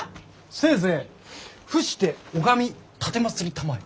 せいぜい伏して拝み奉りたまえ。